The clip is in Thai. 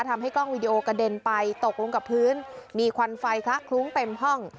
ทำให้กล้องวีดีโอกระเด็นไปตกลงกับพื้นมีควันไฟคลักคลุ้งเต็มห้อง